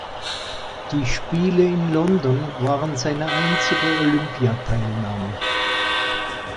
Die Spiele in London waren seine einzige Olympiateilnahme.